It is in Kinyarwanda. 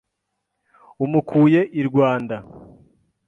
Umukuye i Rwanda